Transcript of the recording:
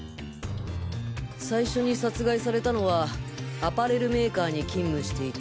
最初に殺害されたのはアパレルメーカーに勤務していた。